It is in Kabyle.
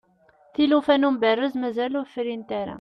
tilufa n umberrez mazal ur frint ara